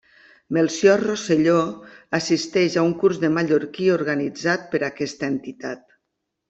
Melcior Rosselló assisteix a un curs de mallorquí organitzat per aquesta entitat.